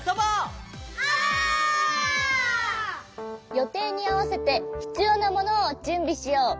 よていにあわせてひつようなものをじゅんびしよう。